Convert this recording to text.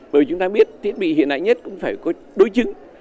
bởi vì chúng ta biết thiết bị hiện đại nhất cũng phải có đối chứng